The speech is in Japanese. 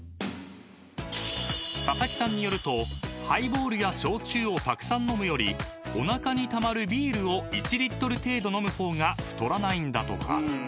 ［佐々木さんによるとハイボールや焼酎をたくさん飲むよりおなかにたまるビールを１リットル程度飲む方が太らないんだとか］